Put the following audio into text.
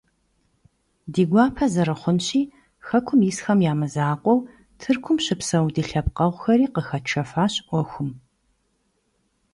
Ди гуапэ зэрыхъунщи, хэкум исхэм я мызакъуэу, Тыркум щыпсэу ди лъэпкъэгъухэри къыхэтшэфащ ӏуэхум.